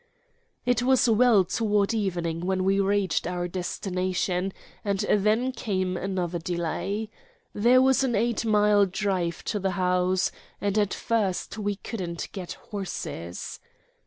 It was well toward evening when we reached our destination, and then came another delay. There was an eight mile drive to the house, and at first we couldn't get horses.